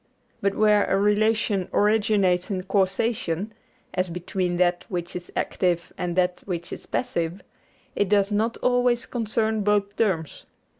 But where a relation originates in causation, as between that which is active and that which is passive, it does not always concern both terms.